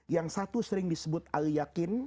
yang satu sering disebut aliyakin